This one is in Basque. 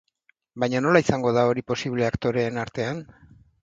Baina, nola izango da hori posible aktoreen artean?